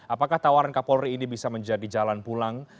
apakah tawaran kapolri ini bisa menjadi jalan pulang